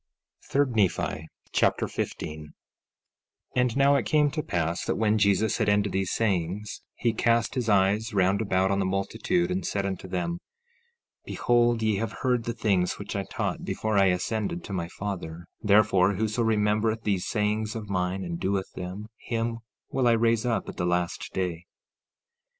3 Nephi Chapter 15 15:1 And now it came to pass that when Jesus had ended these sayings he cast his eyes round about on the multitude, and said unto them: Behold, ye have heard the things which I taught before I ascended to my Father; therefore, whoso remembereth these sayings of mine and doeth them, him will I raise up at the last day.